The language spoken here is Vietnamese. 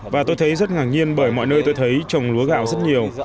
và tôi thấy rất ngạc nhiên bởi mọi nơi tôi thấy trồng lúa gạo rất nhiều